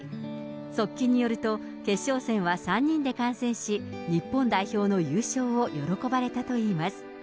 側近によると、決勝戦は３人で観戦し、日本代表の優勝を喜ばれたといいます。